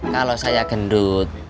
kalau saya gendut